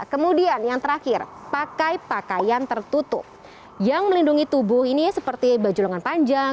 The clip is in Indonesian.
kemudian yang terakhir pakai pakaian tertutup yang melindungi tubuh ini seperti baju lengan panjang